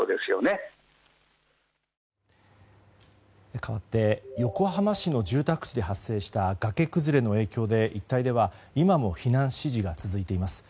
かわって横浜市の住宅地で発生した崖崩れの影響で、一帯では今も避難指示が続いています。